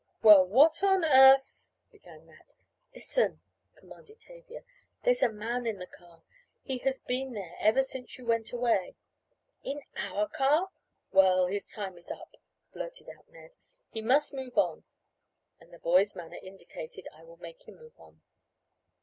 "Well, what on earth " began Nat. "Listen," commanded Tavia. "There's a man in the car. He has been there ever since you went away " "In our car! Well, his time is up," blurted out Ned. "He must move on," and the boy's manner indicated, "I will make him move on."